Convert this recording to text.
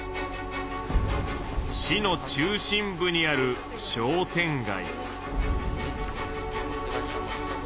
市の中心部にある商店街。